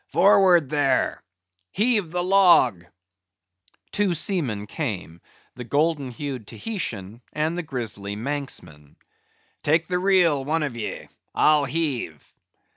"Forward, there! Heave the log!" Two seamen came. The golden hued Tahitian and the grizzly Manxman. "Take the reel, one of ye, I'll heave."